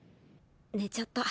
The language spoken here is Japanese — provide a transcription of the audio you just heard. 寝ちゃった。